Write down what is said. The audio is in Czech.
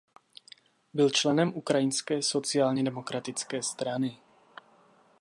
Byl členem Ukrajinské sociálně demokratické strany.